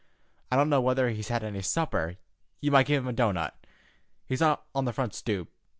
I don't know whether he's had any supper. You might give him a doughnut. He's on the front stoop.